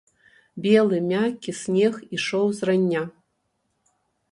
Белы, мяккі снег ішоў з рання.